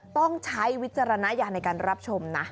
ต้องใช้วิจารณญาณในการรับชมนะ